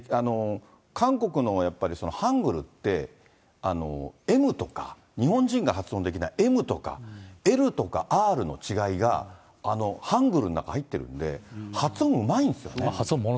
韓国のやっぱりハングルって、Ｍとか日本人が発音できないＭとか、Ｌとか、Ｒの違いがハングルの中に入ってるんで、発音うまいんですよね。